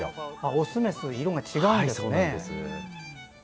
オス、メスで色が違うんですね。